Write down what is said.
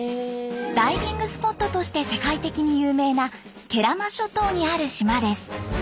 ダイビングスポットとして世界的に有名な慶良間諸島にある島です。